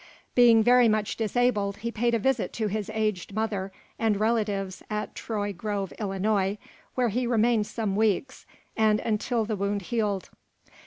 Being very much disabled he paid a visit to his aged mother and relatives at Troy Grove, Illinois, where he remained some weeks and until the wound healed.